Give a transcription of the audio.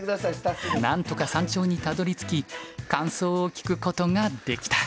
なんとか山頂にたどりつき感想を聞くことができた。